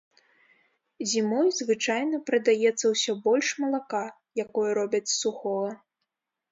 Зімой звычайна прадаецца ўсё больш малака, якое робяць з сухога.